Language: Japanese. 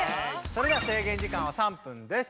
それでは制限時間は３分です。